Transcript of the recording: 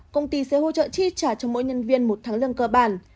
công ty sẽ hỗ trợ chi trả cho mỗi nhân viên một tháng lương cơ bản